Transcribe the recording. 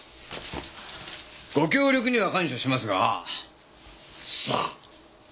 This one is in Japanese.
ご協力には感謝しますがさあ。